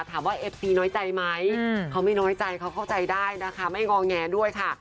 เอฟซีน้อยใจไหมเขาไม่น้อยใจเขาเข้าใจได้นะคะไม่งอแงด้วยค่ะ